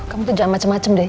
kamu tuh jangan macem macem deh